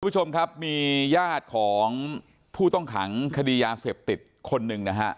คุณผู้ชมครับมีญาติของผู้ต้องขังคดียาเสพติดคนหนึ่งนะฮะ